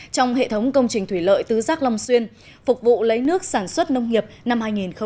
trong hệ thống công trình thủy lợi tứ giác long xuyên phục vụ lấy nước sản xuất nông nghiệp năm hai nghìn một mươi chín